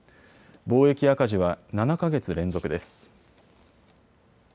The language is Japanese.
貿易赤字は７か月連続です。